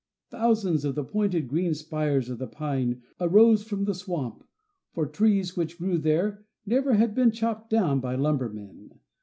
Thousands of the pointed green spires of the pine arose from the swamp, for the trees which grew there never had been chopped down by lumbermen.